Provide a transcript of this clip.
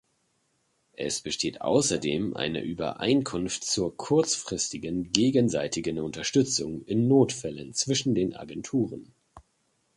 Es besteht außerdem eine Übereinkunft zur kurzfristigen gegenseitigen Unterstützung in Notfällen zwischen den Agenturen.